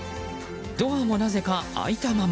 ドアもなぜか開いたまま。